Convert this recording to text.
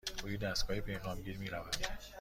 روی دستگاه پیغام گیر می رود.